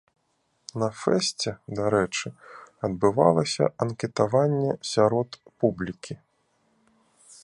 На фэсце, дарэчы, адбывалася анкетаванне сярод публікі.